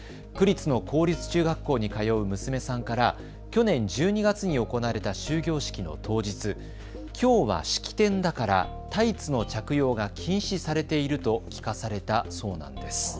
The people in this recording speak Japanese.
区立の公立中学校に通う娘さんから去年１２月に行われた終業式の当日、きょうは式典だからタイツの着用が禁止されていると聞かされたそうなんです。